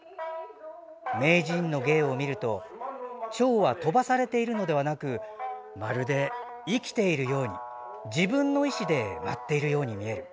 名人の芸を見ると、ちょうは飛ばされているのではなくまるで生きてるように自分の意思で舞っているように見える。